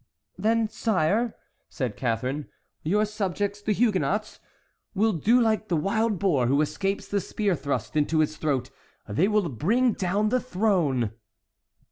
"Then, sire," said Catharine, "your subjects, the Huguenots, will do like the wild boar who escapes the spear thrust into his throat: they will bring down the throne."